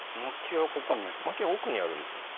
薪は奥にあるんですね